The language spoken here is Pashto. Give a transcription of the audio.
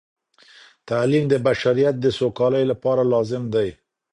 تعلیم د بشریت د سوکالۍ لپاره لازم دی.